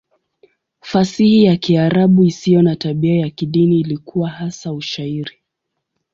Fasihi ya Kiarabu isiyo na tabia ya kidini ilikuwa hasa Ushairi.